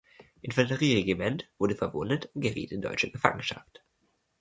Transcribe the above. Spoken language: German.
Infanterieregiment, wurde verwundet und geriet in deutsche Gefangenschaft.